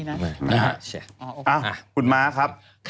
อ่าอุ่นมาครับ